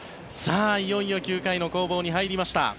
いよいよ９回の攻防に入りました。